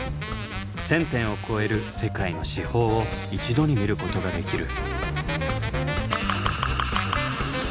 １，０００点を超える世界の至宝を一度に見ることができる。